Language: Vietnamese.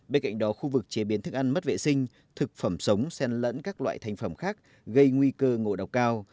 bên cạnh đó khu vực chế biến thức ăn mất vệ sinh thực phẩm sống sen lẫn các loại thành phẩm khác gây nguy cơ ngộ độc cao